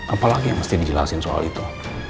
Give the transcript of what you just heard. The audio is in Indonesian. apa lagi yang mesti dijelasin soal itu